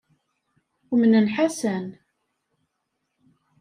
Umnen Ḥasan.